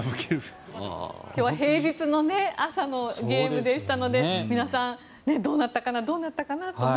今日は平日の朝のゲームでしたので皆さん、どうなったかなどうなったかなとね。